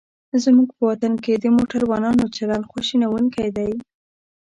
زموږ په وطن کې د موټروانانو چلند خواشینوونکی دی.